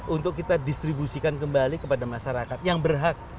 untuk kita distribusikan kembali kepada masyarakat yang berhak